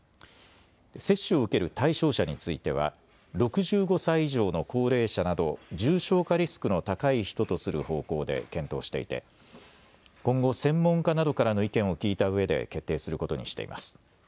接種を受ける対象者については６５歳以上の高齢者など重症化リスクの高い人とする方向で検討していて今後、専門家などからの意見を聞いたうえで決定することにしています。